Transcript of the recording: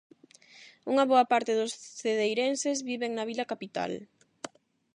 Unha boa parte dos cedeirenses viven na vila capital.